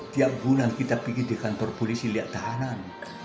tiap guna kita pergi ke kantor polisi lihat tahanan